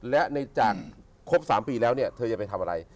และในจากครบ๓ปีแล้วเนี่ยเธอจะไปทำอะไร